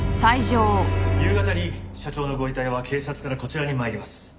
夕方に社長のご遺体は警察からこちらに参ります。